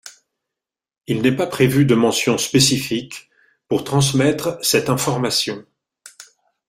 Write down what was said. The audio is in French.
Il n'est pas prévu de mention spécifique pour transmettre cette information.